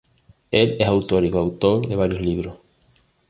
Él es autor y coautor de varios libros.